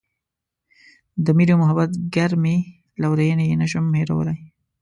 د مینې او محبت ګرمې لورینې یې نه شم هیرولای.